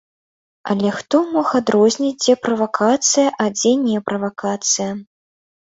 Але хто мог адрозніць, дзе правакацыя, а дзе не правакацыя?!